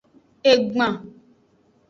Egban.